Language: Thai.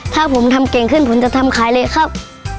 ถ้าผมทำเก่งขึ้นผมจะทำขายเลยครับ